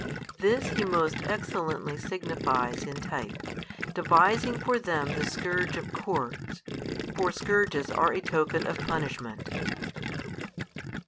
This He most excellently signifies in type, devising for them the scourge of cords. For scourges are a token of punishment.